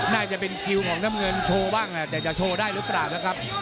น่าจะเป็นคิวของน้ำเงินโชว์บ้างแต่จะโชว์ได้หรือเปล่านะครับ